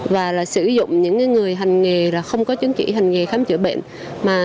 và sử dụng những người hành nghề không có chứng chỉ hành nghề khám chữa bệnh